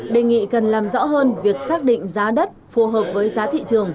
đề nghị cần làm rõ hơn việc xác định giá đất phù hợp với giá thị trường